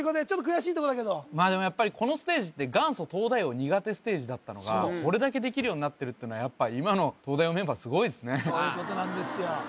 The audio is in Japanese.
ちょっと悔しいとこだけどまあでもやっぱりこのステージって元祖東大王苦手ステージだったのがこれだけできるようになってるのはやっぱ今の東大王メンバーすごいですねそういうことなんですよ